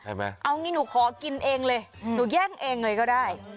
เอางี้หนูขอกินเองเลยหนูแย่งเองเลยก็ได้